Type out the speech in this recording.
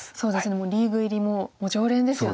リーグ入りももう常連ですよね。